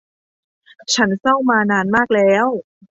ฉันเศร้ามานานมากแล้ว